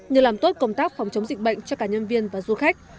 như làm tốt công tác phòng chống dịch bệnh cho cả nhân viên và du khách